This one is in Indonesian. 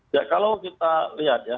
ya kalau kita lihat ya